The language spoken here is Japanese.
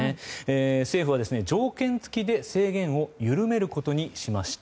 政府は条件付きで制限を緩めることにしました。